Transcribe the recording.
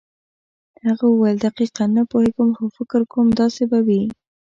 هغه وویل دقیقاً نه پوهېږم خو فکر کوم داسې به وي.